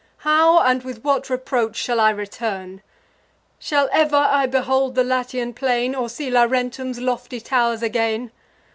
How, and with what reproach, shall I return? Shall ever I behold the Latian plain, Or see Laurentum's lofty tow'rs again?